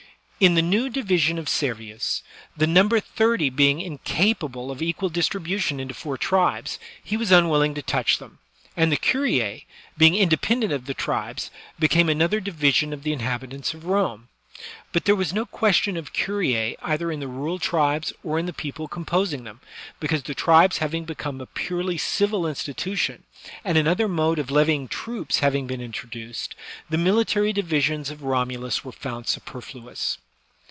In the new division of Servius, the number thirty being incapable of equal distribution into four tribes, he was unwilling to touch them ; and the curue, being independ ent of the tribes, became another division of the inhabit ants of Rome. But there was no question of curia either in the rural tribes or in the people composing them, because the tribes having become a purely civil institu tion, and another mode of levying troops having been introduced, the military divisions of Romulus were found superfluous.